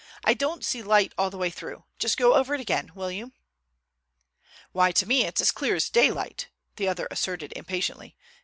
"I don't see light all the way through. Just go over it again, will you?" "Why to me it's as clear as daylight," the other asserted impatiently.